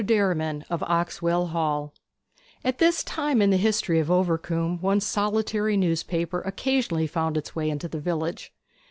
DERRIMAN OF OXWELL HALL At this time in the history of Overcombe one solitary newspaper occasionally found its way into the village.